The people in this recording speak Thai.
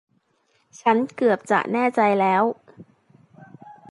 ฉันเกือบจะแน่ใจแล้ว